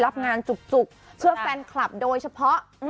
รับงานจุกเพื่อแฟนคลับโดยเฉพาะ